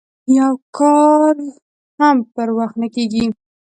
یو کار هم پر وخت نه کوي.